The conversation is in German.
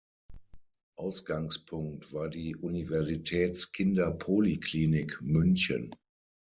Ausgangspunkt war die Universitäts-Kinderpoliklinik München.